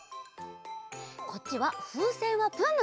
こっちは「ふうせんはプン」のえ。